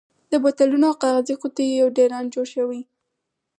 د بوتلونو او کاغذي قوتیو یو ډېران جوړ شوی.